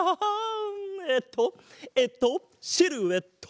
えっとえっとシルエット！